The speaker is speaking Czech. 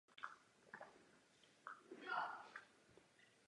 A doufám, že Švédsko nikdy nebude absorbováno.